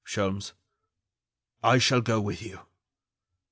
"Sholmes, I shall go with you."